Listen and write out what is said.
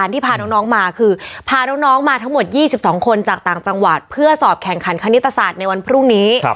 ทั้งหมด๒๒คนจากต่างจังหวัดเพื่อสอบแข่งขันคณิตศาสตร์ในวันพรุ่งนี้